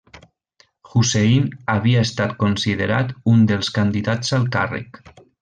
Hussein havia estat considerat un dels candidats al càrrec.